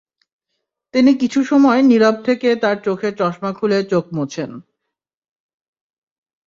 তিনি কিছু সময় নীরব থেকে তাঁর চোখের চশমা খুলে চোখ মোছেন।